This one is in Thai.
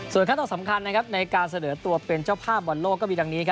ส่วนขั้นตอนสำคัญในการเสนอตัวเป็นเจ้าภาพบอลโลกก็มีดังนี้